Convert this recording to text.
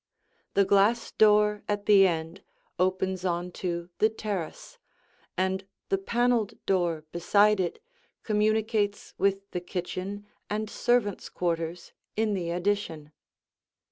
The glass door at the end opens on to the terrace, and the paneled door beside it communicates with the kitchen and servants' quarters in the addition.